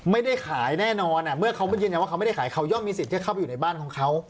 ไม่ได้ขายแน่นอนอ่ะเมื่อเขาไม่ได้ขายเขายอมมีสิทธิ์เข้าไปอยู่ในบ้านของเขา